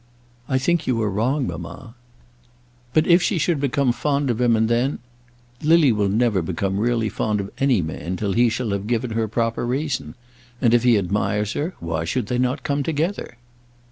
"I think you are wrong, mamma." "But if she should become fond of him, and then " "Lily will never become really fond of any man till he shall have given her proper reason. And if he admires her, why should they not come together?"